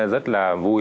rất là vui